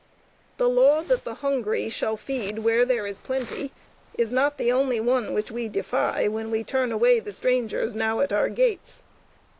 The law that the hungry shall feed where there is plenty is not the only one which we defy when we turn away the strangers now at our gates.